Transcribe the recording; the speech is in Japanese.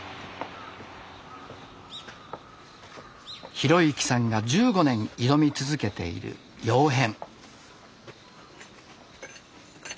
浩之さんが１５年挑み続けている窯変。